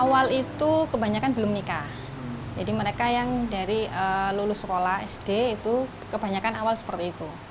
awal itu kebanyakan belum nikah jadi mereka yang dari lulus sekolah sd itu kebanyakan awal seperti itu